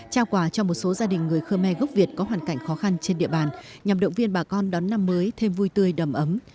trao quà cho một số gia đình người khơ me gốc việt có hoàn cảnh khó khăn trên địa bàn nhằm động viên bà con đón năm mới thêm vui tươi đầm ấm